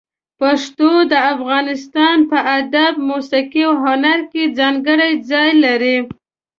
پښتو د افغانستان په ادب، موسيقي او هنر کې ځانګړی ځای لري.